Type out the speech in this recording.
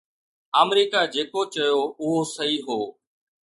آمريڪا جيڪو چيو اهو صحيح هو.